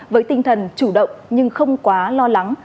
với tinh thần chủ động nhưng không quá lo lắng